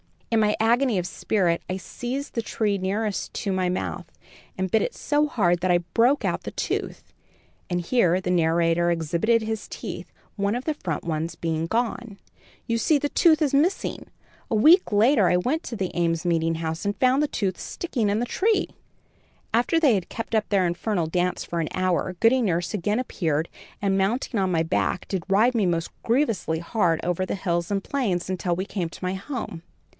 "In my agony of spirit, I seized the tree nearest me in my mouth, and bit it so hard that I broke out the tooth," and here the narrator exhibited his teeth, one of the front ones being gone. "You see the tooth is missing. A week later I went to the Ames Meeting House and found the tooth sticking in the tree. "After they had kept up their infernal dance for an hour, Goody Nurse again appeared and, mounting on my back, did ride me most grievously hard over the hills and plains, until we came to my home.